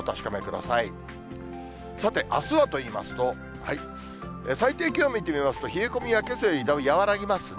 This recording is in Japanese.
さて、あすはといいますと、最低気温見てみますと、冷え込みはけさよりだいぶ和らぎますね。